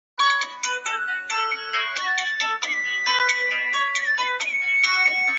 该台还会转播自由亚洲电台等西方电台的越南语广播。